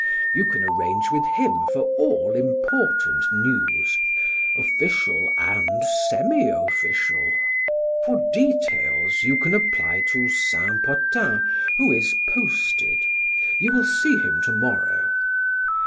You can arrange with him for all important news, official and semiofficial. For details you can apply to Saint Potin, who is posted; you will see him to morrow.